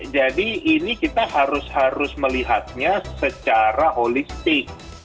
jadi ini kita harus harus melihatnya secara holistik